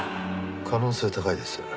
可能性高いです。